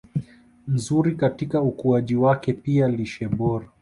nzuri katika ukuaji wake Pia lishe bora